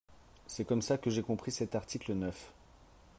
C’est comme ça que j’ai compris cet article neuf.